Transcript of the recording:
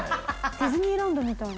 ディズニーランドみたいな。